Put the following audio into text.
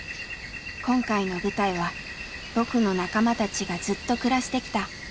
今回の舞台は僕の仲間たちがずっと暮らしてきたやんばるの森。